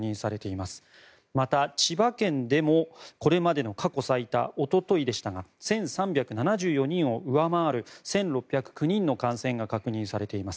また、千葉県でもこれまでの過去最多おとといでしたが１３７４人を上回る１６０９人の感染が確認されています。